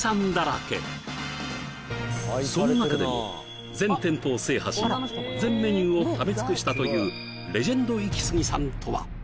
その中でも全店舗を制覇し全メニューを食べ尽くしたというレジェンドイキスギさんとは！？